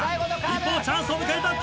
一方チャンスを迎えた武田。